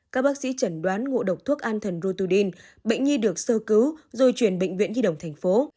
các bác sĩ chẩn đoán ngộ độc thuốc an thần rotudin bệnh nhi được sơ cứu rồi chuyển bệnh viện nhi đồng thành phố